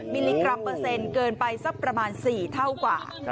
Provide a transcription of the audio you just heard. มิลลิกรัมเปอร์เซ็นต์เกินไปสักประมาณ๔เท่ากว่า